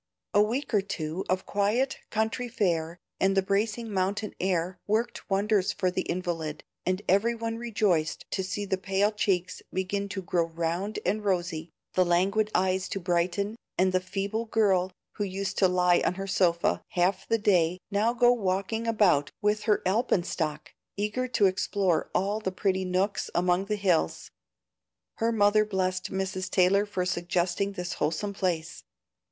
A week or two of quiet, country fare and the bracing mountain air worked wonders for the invalid, and every one rejoiced to see the pale cheeks begin to grow round and rosy, the languid eyes to brighten, and the feeble girl who used to lie on her sofa half the day now go walking about with her alpenstock, eager to explore all the pretty nooks among the hills. Her mother blessed Mrs. Taylor for suggesting this wholesome place.